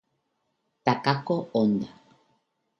Takako Honda